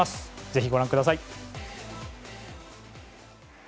ぜひ、ご覧ください。